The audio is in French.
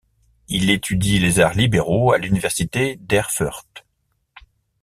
Il étudie les arts libéraux à l'université d'Erfurt.